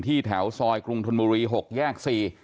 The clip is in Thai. ที่แถอยกรุงทลมูรี๖แยก๔